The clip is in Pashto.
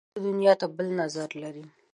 ویده دنیا ته بل نظر لري